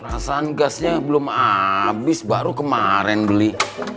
rasaan gasnya belum habis baru kemarin beli